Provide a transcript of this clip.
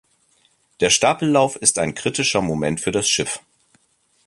Der Stapellauf ist ein kritischer Moment für das Schiff.